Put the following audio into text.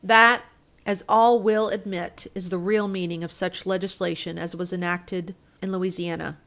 That, as all will admit, is the real meaning of such legislation as was enacted in Louisiana.